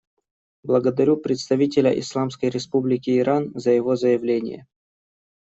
Благодарю представителя Исламской Республики Иран за его заявление.